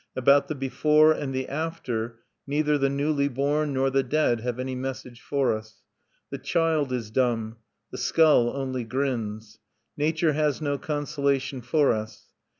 About the before and the after neither the newly born nor the dead have any message for us. The child is dumb; the skull only grins. Nature has no consolation for us.